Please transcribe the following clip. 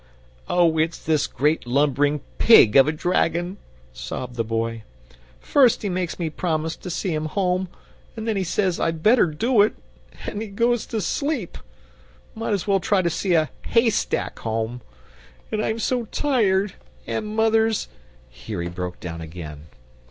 "Oh, it's this great lumbering PIG of a dragon!" sobbed the Boy. "First he makes me promise to see him home, and then he says I'd better do it, and goes to sleep! Might as well try to see a HAYSTACK home! And I'm so tired, and mother's " here he broke down again.